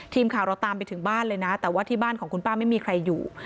ทีมข่าวเราตามไปถึงบ้านเลยนะแต่ว่าที่บ้านของคุณป้าไม่มีใครอยู่